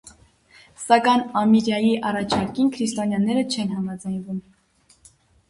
Սակայն ամիրայի առաջարկին քրիստոնյաները չեն համաձայնում։